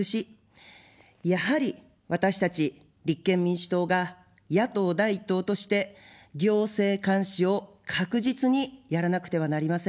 やはり私たち立憲民主党が野党第１党として行政監視を確実にやらなくてはなりません。